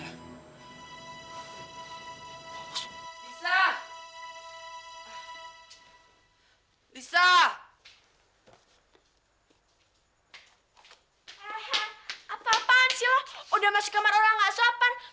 hai apa apaan sih udah masuk kamar orang asapan